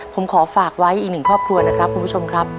ผมขอฝากไว้อีกหนึ่งครอบครัวนะครับคุณผู้ชมครับ